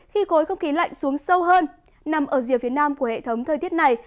khi khối không khí lạnh xuống sâu hơn nằm ở rìa phía nam của hệ thống thời tiết này